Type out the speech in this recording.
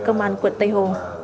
công an quận tây hồ